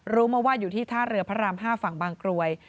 รู้มาว่าอยู่ที่ท่าเรือพระราม๕ฝั่งบางกรวย